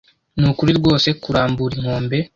Nukuri rwose kurambura inkombe.